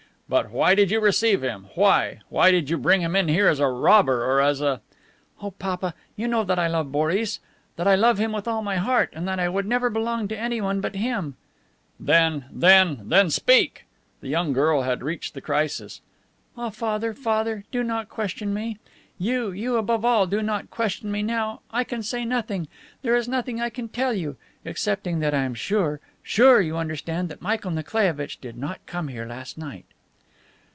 But why did you receive him? Why? Why did you bring him in here, as a robber or as a..." "Oh, papa, you know that I love Boris, that I love him with all my heart, and that I would never belong to anyone but him." "Then, then, then. speak!" The young girl had reached the crisis. "Ah, Father, Father, do not question me! You, you above all, do not question me now. I can say nothing! There is nothing I can tell you. Excepting that I am sure sure, you understand that Michael Nikolaievitch did not come here last night."